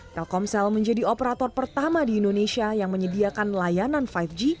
telkomsel menjadi operator pertama di indonesia yang menyediakan layanan lima g